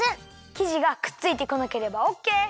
きじがくっついてこなければオッケー！